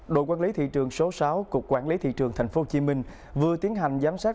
đội quản lý thị trường số sáu cục quản lý thị trường tp hcm vừa tiến hành giám sát